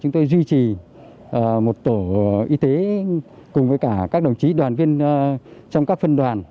chúng tôi duy trì một tổ y tế cùng với cả các đồng chí đoàn viên trong các phân đoàn